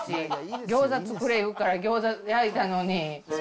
ギョーザ作れ言うから、ギョーザ焼いたのに。